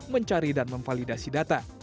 mencari dan memvalidasi data